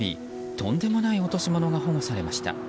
とんでもない落とし物が保護されました。